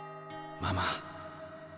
ママ。